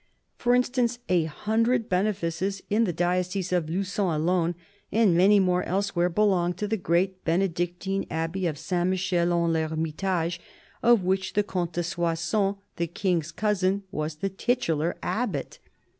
For instance, a hundred benefices in the diocese of Lu9on alone, and many more elsewhere, belonged to the great Benedictine abbey of Saint Michel en l'Ermitage, of which the Comte de Soissons, the King's cousin, was the titular abbot.